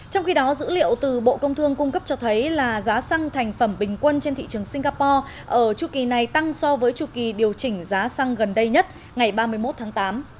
trong khi đó dữ liệu từ bộ công thương cung cấp cho thấy là giá xăng thành phẩm bình quân trên thị trường singapore ở chủ kỳ này tăng so với chủ kỳ điều chỉnh giá xăng gần đây nhất ngày ba mươi một tháng tám